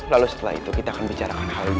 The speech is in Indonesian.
lalu setelah itu kita akan bicarakan hal ini